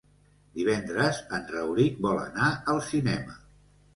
Divendres en Rauric vol anar al cinema.